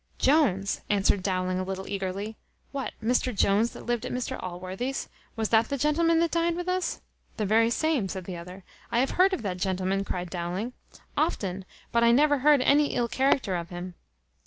"Jones!" answered Dowling a little eagerly; "what, Mr Jones that lived at Mr Allworthy's? was that the gentleman that dined with us?" "The very same," said the other. "I have heard of the gentleman," cries Dowling, "often; but I never heard any ill character of him."